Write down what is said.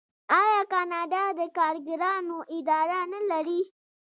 آیا کاناډا د کارګرانو اداره نلري؟